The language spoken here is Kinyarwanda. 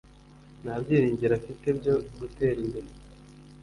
Nta byiringiro afite byo gutera imbere